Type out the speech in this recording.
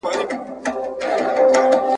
او منلي هوښیارانو د دنیا دي !.